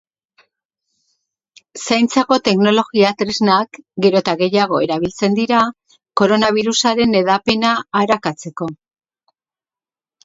Zaintzako teknologia-tresnak gero eta gehiago erabiltzen dira koronabirusaren hedapena arakatzeko.